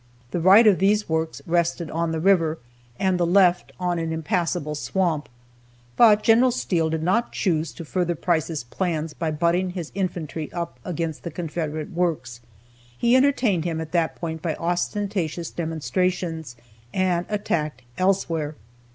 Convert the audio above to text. The right of these works rested on the river, and the left on an impassable swamp. But Gen. Steele did not choose to further Price's plans by butting his infantry up against the Confederate works. He entertained him at that point by ostentatious demonstrations, and attacked elsewhere.